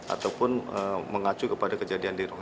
ataupun mengacu kepada kejadian